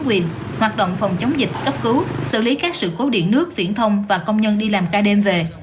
quyền hoạt động phòng chống dịch cấp cứu xử lý các sự cố điện nước viễn thông và công nhân đi làm ca đêm về